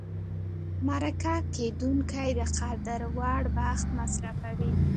مرکه کېدونکی د قدر وړ وخت مصرفوي.